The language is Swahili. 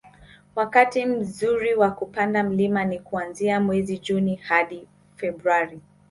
wakati mzuri kwa kupanda mlima ni kuanzia mwezi Juni hadi Februari